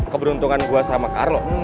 keberuntungan gue sama carlo